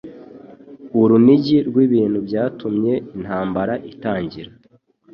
Urunigi rw'ibintu byatumye intambara itangira.